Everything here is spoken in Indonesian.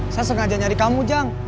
saya sengaja nyari kamu jang